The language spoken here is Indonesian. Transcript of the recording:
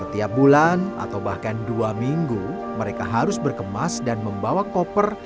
setiap bulan atau bahkan dua minggu mereka harus berkemas dan membawa koper